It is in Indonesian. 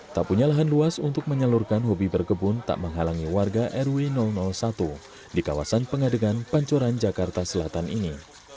tak punya lahan luas untuk menyalurkan hobi berkebun tak menghalangi warga rw satu di kawasan pengadegan pancoran jakarta selatan ini